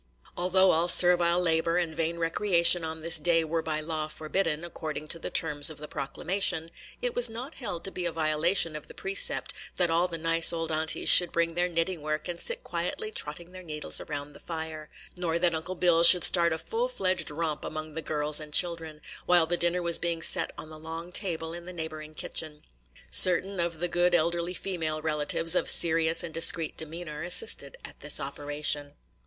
Although all servile labor and vain recreation on this day were by law forbidden, according to the terms of the proclamation, it was not held to be a violation of the precept, that all the nice old aunties should bring their knitting work and sit gently trotting their needles around the fire; nor that Uncle Bill should start a full fledged romp among the girls and children, while the dinner was being set on the long table in the neighboring kitchen. Certain of the good elderly female relatives, of serious and discreet demeanor, assisted at this operation.